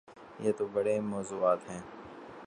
یہ تو بڑے موضوعات ہیں۔